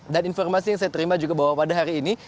dan informasi yang saya terima juga bahwa pada hari ini